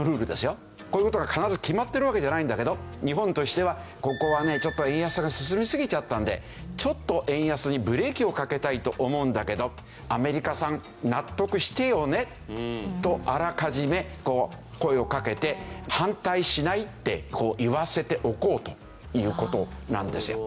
こういう事が必ず決まってるわけじゃないんだけど日本としてはここはねちょっと円安が進みすぎちゃったんでちょっと円安にブレーキをかけたいと思うんだけどアメリカさん納得してよねとあらかじめ声をかけて反対しないって言わせておこうという事なんですよ。